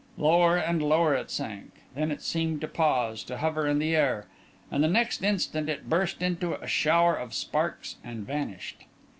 Lower and lower it sank; then it seemed to pause, to hover in the air, and the next instant it burst into a shower of sparks and vanished.